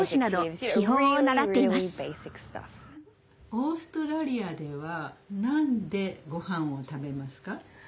オーストラリアではなにでごはんを食べますか？